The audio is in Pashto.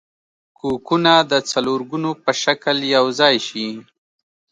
کوکونه د څلورګونو په شکل یوځای شي.